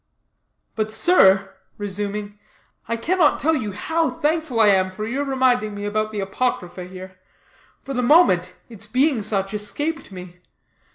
"But, sir," resuming, "I cannot tell you how thankful I am for your reminding me about the apocrypha here. For the moment, its being such escaped me.